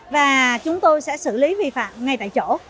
và chúng tôi sẽ xử lý vi phạm ngay tại chỗ